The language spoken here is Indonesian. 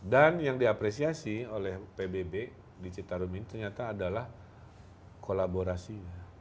dan yang diapresiasi oleh pbb di citarun ini ternyata adalah kolaborasi